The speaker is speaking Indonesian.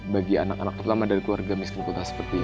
bagi anak anak terutama dari keluarga miskin kota seperti ini